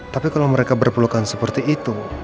tapi kalau mereka berpelukan seperti itu